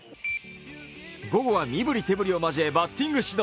午後は身振り手振りを交え、バッティング指導。